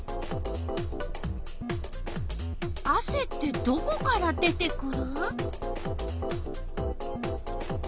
あせってどこから出てくる？